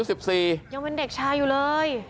ยังเป็นเด็กชายอยู่เลย